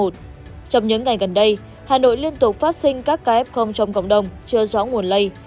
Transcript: trong những ngày gần đây hà nội liên tục phát sinh các caf trong cộng đồng chưa rõ nguồn lây